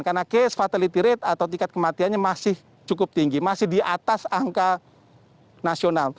karena case fatality rate atau tingkat kematiannya masih cukup tinggi masih di atas angka nasional